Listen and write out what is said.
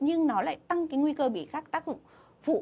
nhưng nó lại tăng cái nguy cơ bị khác tác dụng phụ